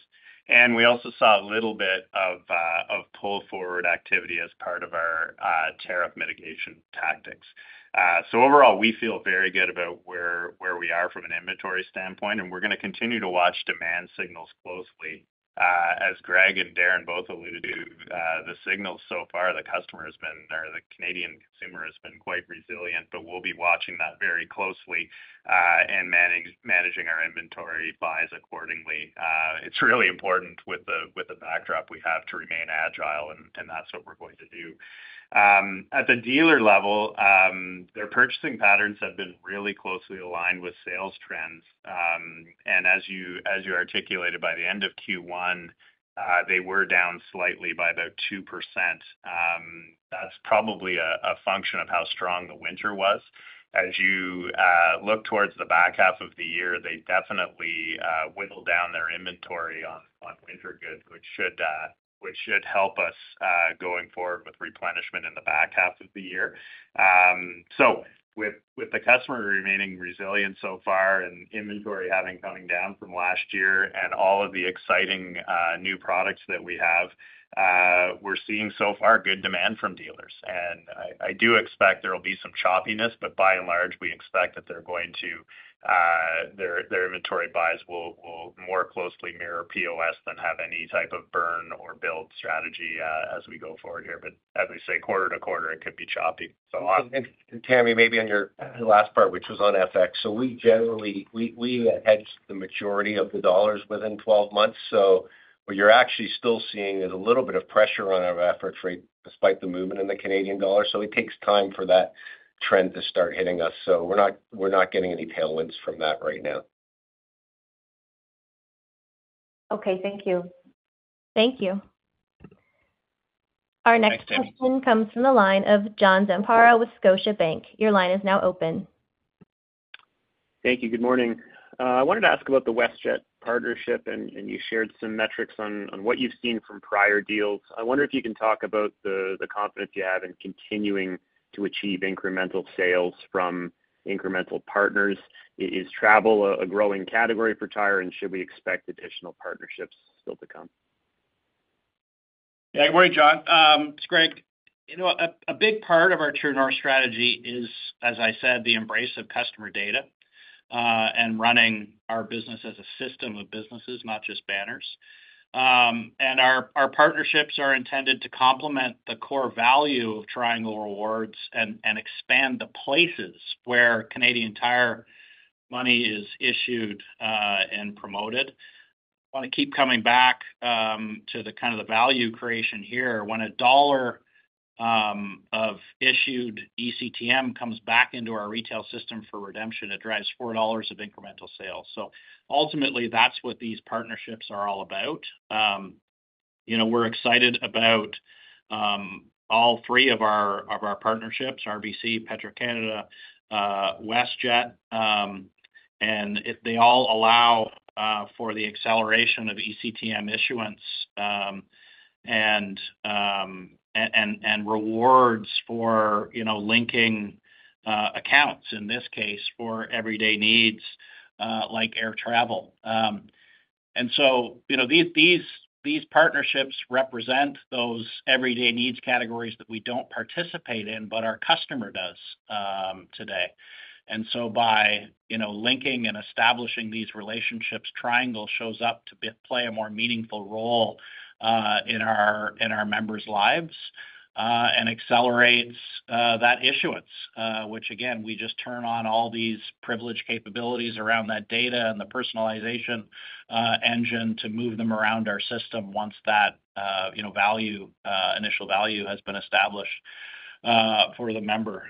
We also saw a little bit of pull-forward activity as part of our tariff mitigation tactics. Overall, we feel very good about where we are from an inventory standpoint, and we're going to continue to watch demand signals closely. As Greg and Darren both alluded to, the signals so far, the customer has been or the Canadian consumer has been quite resilient, but we'll be watching that very closely and managing our inventory buys accordingly. It's really important with the backdrop we have to remain agile, and that's what we're going to do. At the dealer level, their purchasing patterns have been really closely aligned with sales trends. As you articulated, by the end of Q1, they were down slightly by about 2%. That's probably a function of how strong the winter was. As you look towards the back half of the year, they definitely whittled down their inventory on winter goods, which should help us going forward with replenishment in the back half of the year. With the customer remaining resilient so far and inventory having come down from last year and all of the exciting new products that we have, we're seeing so far good demand from dealers. I do expect there will be some choppiness, but by and large, we expect that their inventory buys will more closely mirror POS than have any type of burn or build strategy as we go forward here. As we say, quarter to quarter, it could be choppy. Tamy, maybe on your last part, which was on FX. We generally had hedged the majority of the dollars within 12 months. What you're actually still seeing is a little bit of pressure on our efforts rate despite the movement in the Canadian dollar. It takes time for that trend to start hitting us. We're not getting any tailwinds from that right now. Thank you. Our next question comes from the line of John Zamparo with Scotiabank. Your line is now open. Thank you. Good morning. I wanted to ask about the WestJet partnership, and you shared some metrics on what you've seen from prior deals. I wonder if you can talk about the confidence you have in continuing to achieve incremental sales from incremental partners. Is travel a growing category for Tire, and should we expect additional partnerships still to come? Yeah. Good morning, John. It's great. A big part of our True North strategy is, as I said, the embrace of customer data and running our business as a system of businesses, not just banners. Our partnerships are intended to complement the core value of Triangle Rewards and expand the places where Canadian Tire money is issued and promoted. I want to keep coming back to the kind of the value creation here. When a dollar of issued eCTM comes back into our retail system for redemption, it drives 4 dollars of incremental sales. Ultimately, that's what these partnerships are all about. We're excited about all three of our partnerships: RBC, Petro-Canada, WestJet. They all allow for the acceleration of eCTM issuance and rewards for linking accounts, in this case, for everyday needs like air travel. These partnerships represent those everyday needs categories that we do not participate in, but our customer does today. By linking and establishing these relationships, Triangle shows up to play a more meaningful role in our members' lives and accelerates that issuance, which, again, we just turn on all these privileged capabilities around that data and the personalization engine to move them around our system once that initial value has been established for the member.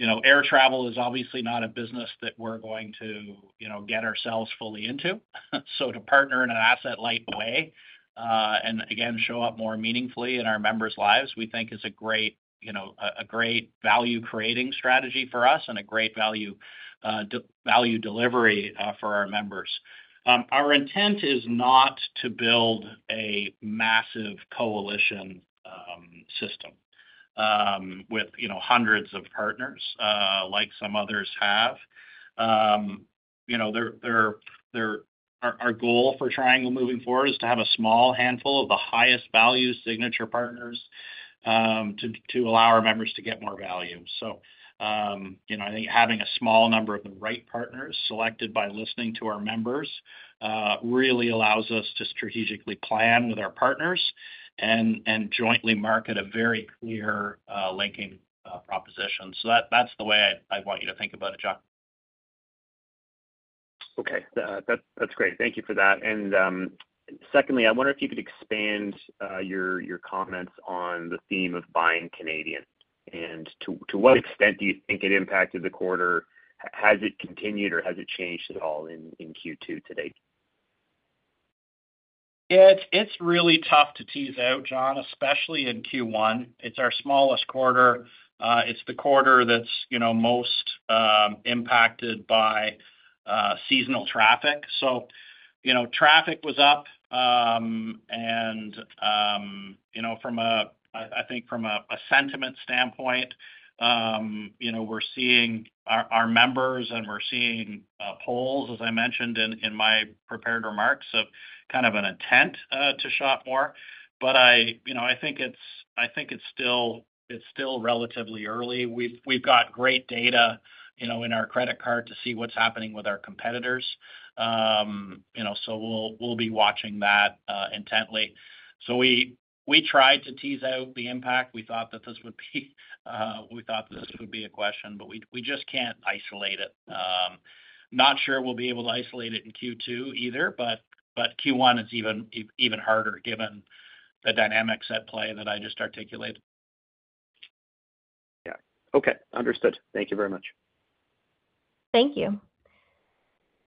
Air travel is obviously not a business that we are going to get ourselves fully into. To partner in an asset-light way and, again, show up more meaningfully in our members' lives, we think is a great value-creating strategy for us and a great value delivery for our members. Our intent is not to build a massive coalition system with hundreds of partners like some others have. Our goal for Triangle moving forward is to have a small handful of the highest value signature partners to allow our members to get more value. I think having a small number of the right partners selected by listening to our members really allows us to strategically plan with our partners and jointly market a very clear linking proposition. That is the way I would want you to think about it, John. Okay. That is great. Thank you for that. Secondly, I wonder if you could expand your comments on the theme of buying Canadian. To what extent do you think it impacted the quarter? Has it continued, or has it changed at all in Q2 today? Yeah. It is really tough to tease out, John, especially in Q1. It is our smallest quarter. It is the quarter that is most impacted by seasonal traffic. Traffic was up. I think from a sentiment standpoint, we're seeing our members, and we're seeing polls, as I mentioned in my prepared remarks, of kind of an intent to shop more. I think it's still relatively early. We've got great data in our credit card to see what's happening with our competitors. We'll be watching that intently. We tried to tease out the impact. We thought this would be a question, but we just can't isolate it. Not sure we'll be able to isolate it in Q2 either, but Q1 is even harder given the dynamics at play that I just articulated. Yeah. Okay. Understood. Thank you very much. Thank you.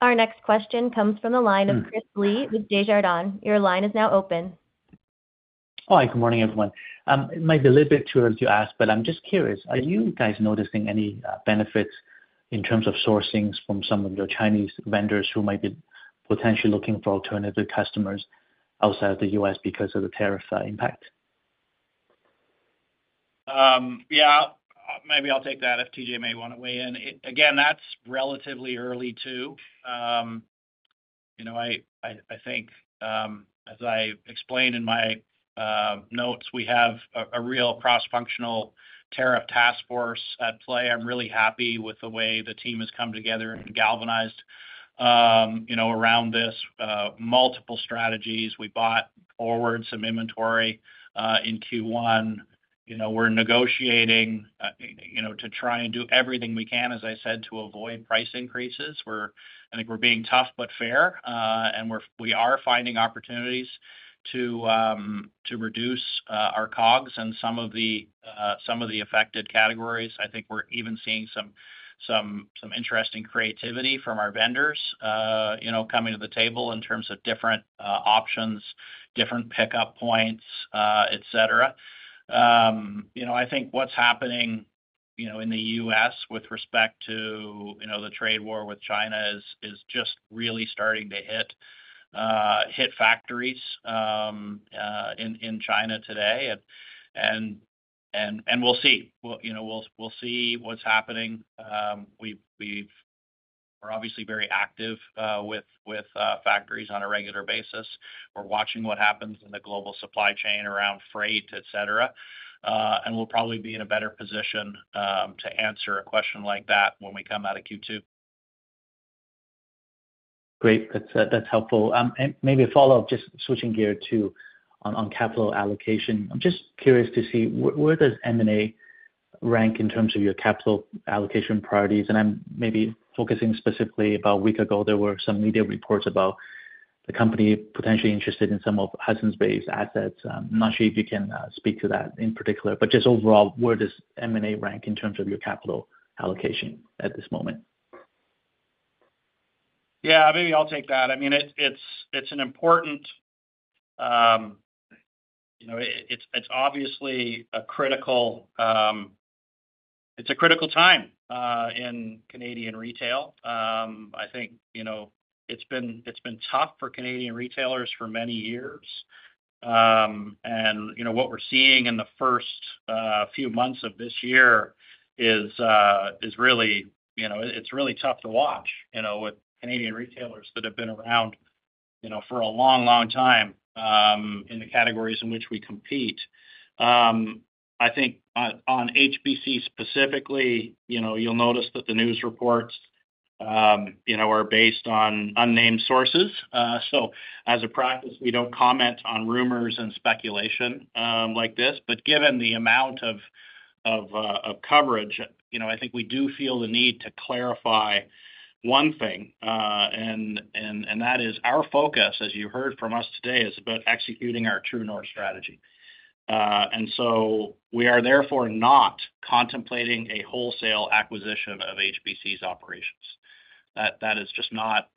Our next question comes from the line of Chris Lee with Desjardins. Your line is now open. Hi. Good morning, everyone. It might be a little bit too early to ask, but I'm just curious. Are you guys noticing any benefits in terms of sourcing from some of your Chinese vendors who might be potentially looking for alternative customers outside of the U.S. because of the tariff impact? Yeah. Maybe I'll take that if TJ may want to weigh in. Again, that's relatively early too. I think, as I explained in my notes, we have a real cross-functional tariff task force at play. I'm really happy with the way the team has come together and galvanized around this. Multiple strategies. We bought forward some inventory in Q1. We're negotiating to try and do everything we can, as I said, to avoid price increases. I think we're being tough but fair, and we are finding opportunities to reduce our COGS in some of the affected categories. I think we're even seeing some interesting creativity from our vendors coming to the table in terms of different options, different pickup points, etc. I think what's happening in the U.S. with respect to the trade war with China is just really starting to hit factories in China today. We'll see. We'll see what's happening. We're obviously very active with factories on a regular basis. We're watching what happens in the global supply chain around freight, etc. We'll probably be in a better position to answer a question like that when we come out of Q2. Great. That's helpful. Maybe a follow-up, just switching gears too on capital allocation. I'm just curious to see where does M&A rank in terms of your capital allocation priorities? I'm maybe focusing specifically about a week ago, there were some media reports about the company potentially interested in some of Hudson's Bay's assets. I'm not sure if you can speak to that in particular. Just overall, where does M&A rank in terms of your capital allocation at this moment? Yeah. Maybe I'll take that. I mean, it's an important, it's obviously a critical, it's a critical time in Canadian retail. I think it's been tough for Canadian retailers for many years. What we're seeing in the first few months of this year is really, it's really tough to watch with Canadian retailers that have been around for a long, long time in the categories in which we compete. I think on HBC specifically, you'll notice that the news reports are based on unnamed sources. As a practice, we do not comment on rumors and speculation like this. Given the amount of coverage, I think we do feel the need to clarify one thing. That is, our focus, as you heard from us today, is about executing our True North strategy. We are therefore not contemplating a wholesale acquisition of HBC's operations. That is just not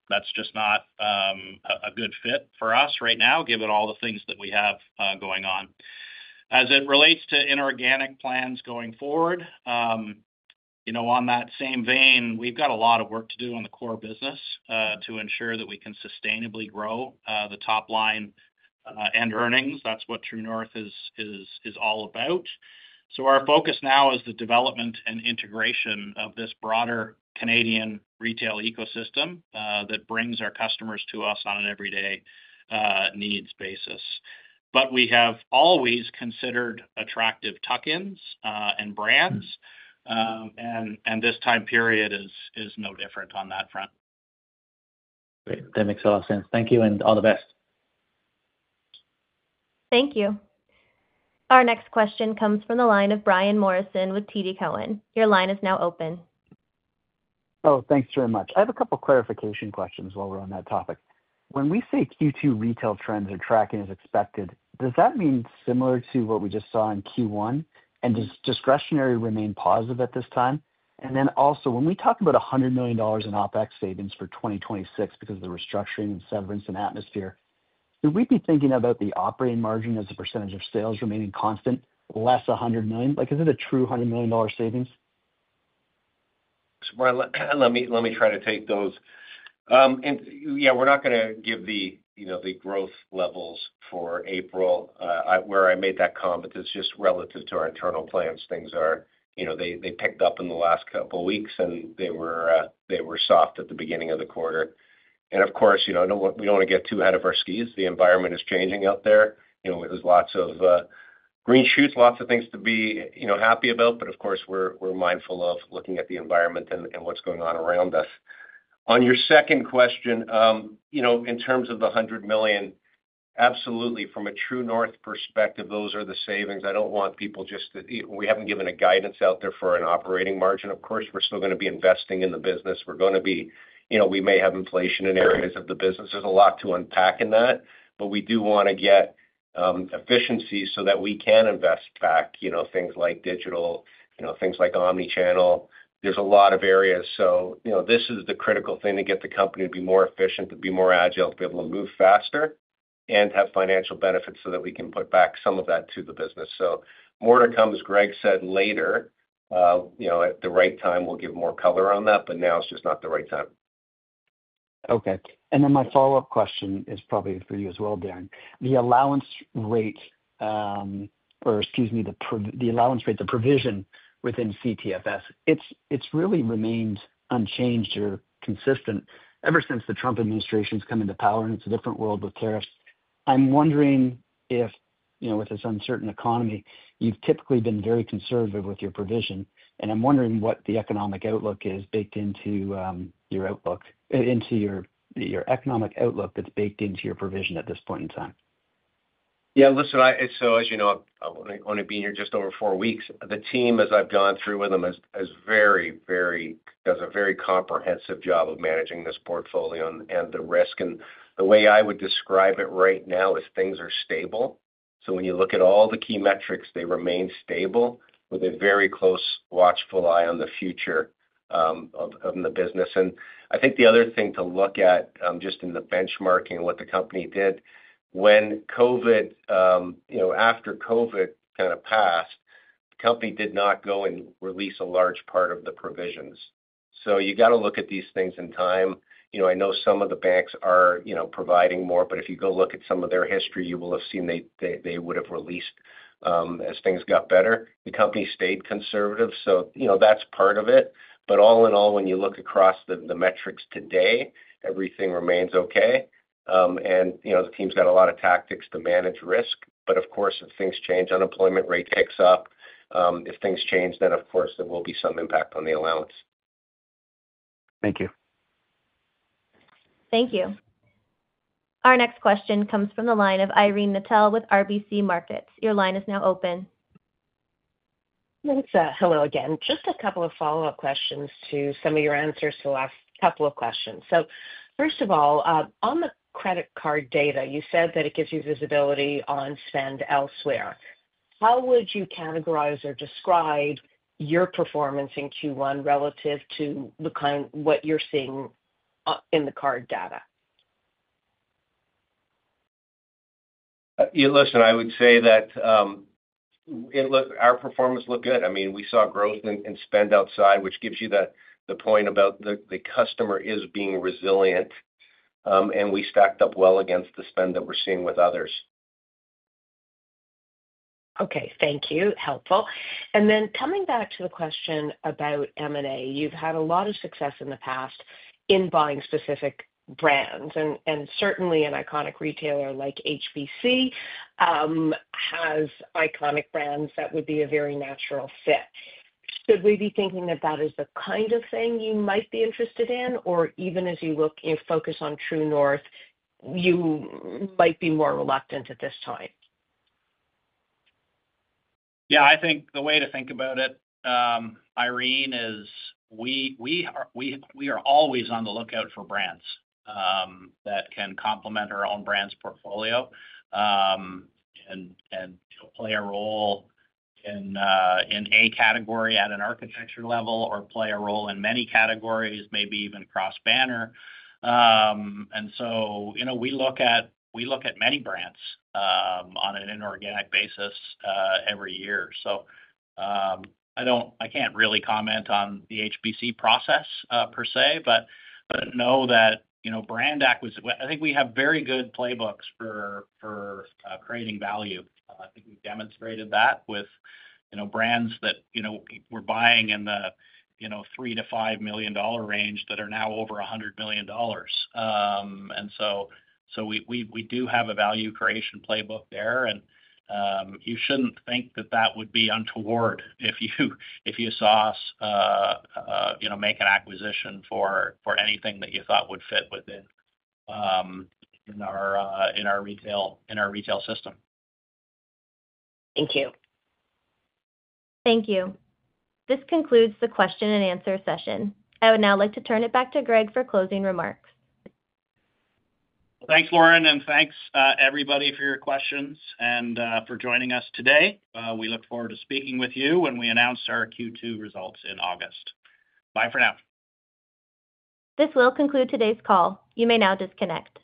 a good fit for us right now, given all the things that we have going on. As it relates to inorganic plans going forward, on that same vein, we have a lot of work to do on the core business to ensure that we can sustainably grow the top line and earnings. That is what True North is all about. Our focus now is the development and integration of this broader Canadian retail ecosystem that brings our customers to us on an everyday needs basis. We have always considered attractive tuck-ins and brands. This time period is no different on that front. Great. That makes a lot of sense. Thank you. All the best. Thank you. Our next question comes from the line of Brian Morrison with TD Cowen. Your line is now open. Oh, thanks very much. I have a couple of clarification questions while we're on that topic. When we say Q2 retail trends are tracking as expected, does that mean similar to what we just saw in Q1? Does discretionary remain positive at this time? When we talk about 100 million dollars in OPEX savings for 2026 because of the restructuring and severance and atmosphere, would we be thinking about the operating margin as a percentage of sales remaining constant, less 100 million? Is it a true 100 million dollar savings? Let me try to take those. Yeah, we're not going to give the growth levels for April where I made that comment. It's just relative to our internal plans. Things are, they picked up in the last couple of weeks, and they were soft at the beginning of the quarter. Of course, we do not want to get too ahead of our skis. The environment is changing out there. There are lots of green shoots, lots of things to be happy about. Of course, we're mindful of looking at the environment and what's going on around us. On your second question, in terms of the 100 million, absolutely, from a True North perspective, those are the savings. I do not want people just to—we have not given a guidance out there for an operating margin. Of course, we are still going to be investing in the business. We are going to be—we may have inflation in areas of the business. There is a lot to unpack in that. We do want to get efficiencies so that we can invest back, things like digital, things like omnichannel. There are a lot of areas. This is the critical thing to get the company to be more efficient, to be more agile, to be able to move faster, and have financial benefits so that we can put back some of that to the business. More to come, as Greg said, later. At the right time, we will give more color on that. Now is just not the right time. Okay. My follow-up question is probably for you as well, Darren. The allowance rate, or excuse me, the allowance rate, the provision within CTFS, it has really remained unchanged or consistent ever since the Trump administration has come into power. It is a different world with tariffs. I am wondering if, with this uncertain economy, you have typically been very conservative with your provision. I am wondering what the economic outlook is baked into your outlook, into your economic outlook that is baked into your provision at this point in time. Yeah. Listen, as you know, I have only been here just over four weeks. The team, as I have gone through with them, has done a very comprehensive job of managing this portfolio and the risk. The way I would describe it right now is things are stable. When you look at all the key metrics, they remain stable with a very close, watchful eye on the future of the business. I think the other thing to look at just in the benchmarking and what the company did, when COVID, after COVID kind of passed, the company did not go and release a large part of the provisions. You got to look at these things in time. I know some of the banks are providing more. If you go look at some of their history, you will have seen they would have released as things got better. The company stayed conservative. That is part of it. All in all, when you look across the metrics today, everything remains okay. The team's got a lot of tactics to manage risk. Of course, if things change, unemployment rate picks up. If things change, then of course, there will be some impact on the allowance. Thank you. Thank you. Our next question comes from the line of Irene Nattel with RBC Capital Markets. Your line is now open. It's hello again. Just a couple of follow-up questions to some of your answers to the last couple of questions. First of all, on the credit card data, you said that it gives you visibility on spend elsewhere. How would you categorize or describe your performance in Q1 relative to what you're seeing in the card data? Listen, I would say that our performance looked good. I mean, we saw growth in spend outside, which gives you the point about the customer is being resilient. We stacked up well against the spend that we're seeing with others. Okay. Thank you. Helpful. Then coming back to the question about M&A, you've had a lot of success in the past in buying specific brands. Certainly, an iconic retailer like HBC has iconic brands that would be a very natural fit. Should we be thinking that that is the kind of thing you might be interested in? Even as you focus on True North, you might be more reluctant at this time? Yeah. I think the way to think about it, Irene, is we are always on the lookout for brands that can complement our own brand's portfolio and play a role in a category at an architecture level or play a role in many categories, maybe even cross-banner. We look at many brands on an inorganic basis every year. I can't really comment on the HBC process per se, but know that brand acquisition, I think we have very good playbooks for creating value. I think we've demonstrated that with brands that we're buying in the 3 million-5 million dollar range that are now over 100 million dollars. We do have a value creation playbook there. You shouldn't think that that would be untoward if you saw us make an acquisition for anything that you thought would fit within our retail system. Thank you. Thank you. This concludes the question and answer session. I would now like to turn it back to Greg for closing remarks. Thanks, Lauren. Thanks, everybody, for your questions and for joining us today. We look forward to speaking with you when we announce our Q2 results in August. Bye for now. This will conclude today's call. You may now disconnect.